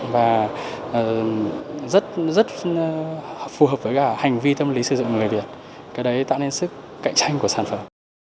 và rất phù hợp với cả hành vi tâm lý sử dụng của người việt cái đấy tạo nên sức cạnh tranh của sản phẩm